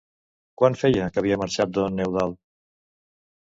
Quant feia que havia marxat don Eudald?